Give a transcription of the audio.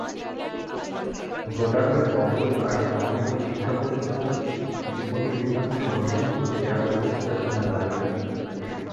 ভোটারদের নজর কাড়তে অনেকে শিক্ষাপ্রতিষ্ঠান, বিপণিবিতানসহ বিভিন্ন দেয়ালে পোস্টার, ব্যানার লাগিয়েছেন।